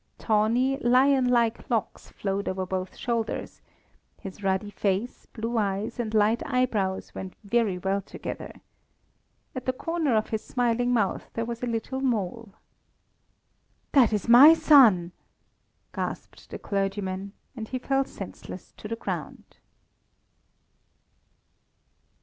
Tawny, lion like locks flowed over both shoulders; his ruddy face, blue eyes, and light eyebrows went very well together. At the corner of his smiling mouth there was a little mole. "That is my son," gasped the clergyman, and he fell senseless to the ground.